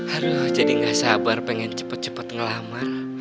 aduh jadi gak sabar pengen cepet cepet ngelamar